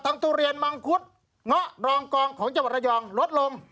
ทั้งทุเรียนมังคุ้นกรองกองของจัวร์ระยองกลดลง